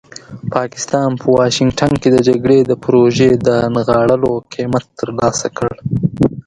پاکستان په واشنګټن کې د جګړې د پروژې د نغاړلو قیمت ترلاسه کړ.